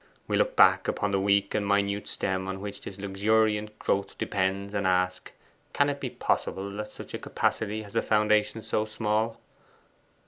We look back upon the weak and minute stem on which this luxuriant growth depends, and ask, Can it be possible that such a capacity has a foundation so small?